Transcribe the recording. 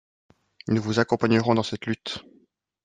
Nous vous accompagnerons dans cette lutte.